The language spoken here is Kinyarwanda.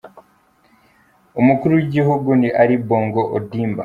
Umukuru w’igihugu ni Ali Bongo Ondimba.